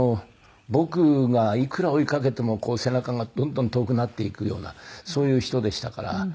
僕がいくら追い掛けても背中がどんどん遠くなっていくようなそういう人でしたから。